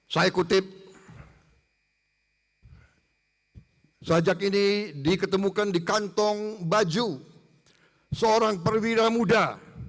saya kutip sajak ini diketemukan di kantong baju seorang perwira muda